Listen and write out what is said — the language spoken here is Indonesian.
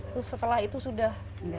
terus setelah itu sudah